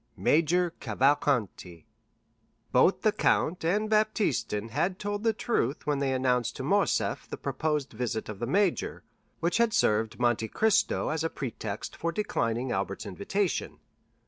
Major Cavalcanti Both the count and Baptistin had told the truth when they announced to Morcerf the proposed visit of the major, which had served Monte Cristo as a pretext for declining Albert's invitation.